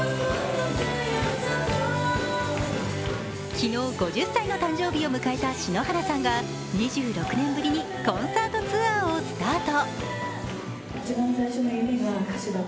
昨日、５０歳の誕生日を迎えた篠原さんが２６年ぶりにコンサートツアーをスタート。